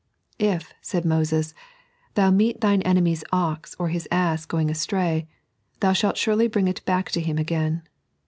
" If," said Moees, " thou meet thine enemy's ox or his ass going astray, thou shalt surely bring it back to him again."